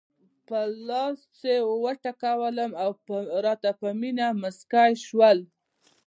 پر لاس یې وټکولم او راته په مینه مسکی شول.